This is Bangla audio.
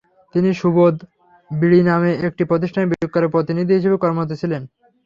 তিনি সুবোধ বিড়ি নামের একটি প্রতিষ্ঠানে বিক্রয় প্রতিনিধি হিসেবে কর্মরত ছিলেন।